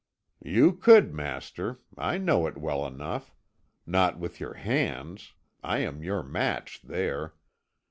"You could, master I know it well enough. Not with your hands; I am your match there.